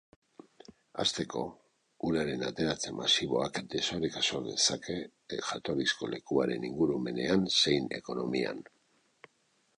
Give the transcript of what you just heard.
Hasteko, uraren ateratze masiboak desoreka sor dezake jatorrizko lekuaren ingurumenean zein ekonomian.